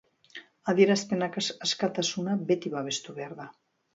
Adierazpen askatasuna beti babestu behar da.